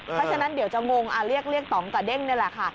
เพราะฉะนั้นเดี๋ยวจะงงเรียกต่องกับเด้งนี่แหละค่ะ